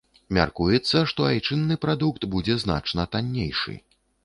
Мяркуецца, што айчынны прадукт будзе значна таннейшы.